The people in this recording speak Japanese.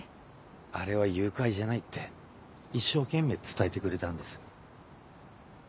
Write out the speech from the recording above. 「あれは誘拐じゃない」って一生懸命伝えてくれたんです。